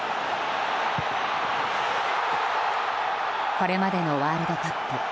これまでのワールドカップ